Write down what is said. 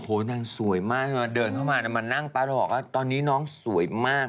โอ้ยนางสวยมากนี้เมื่อเดินเข้ามามานั่งไปเราบอกว่าตอนนี้นางสวยมาก